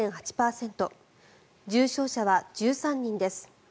重症者は１３人です。